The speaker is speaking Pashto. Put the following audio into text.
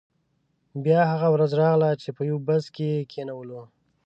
بیا هغه ورځ راغله چې په یو بس کې یې کینولو.